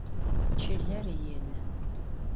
Çıler yinı.